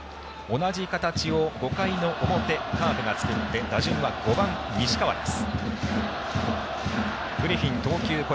同じ形を５回の表、カープが作って打順は５番、西川です。